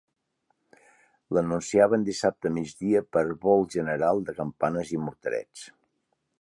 L’anunciaven dissabte a migdia per vol general de campanes i morterets.